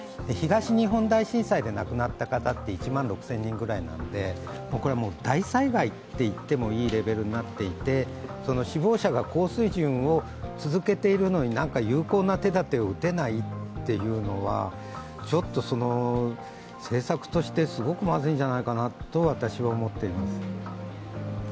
東日本大震災で亡くなった方って１万６０００人ぐらいなんでこれは大災害と言ってもいいレベルになっていて、死亡者が高水準を続けているのに何か有効な手立てを打てないっていうのは、政策としてすごくまずいんじゃないかなと私は思っています。